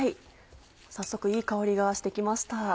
早速いい香りがして来ました。